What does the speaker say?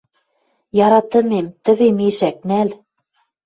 Яратымем, тӹве мешӓк, нӓл».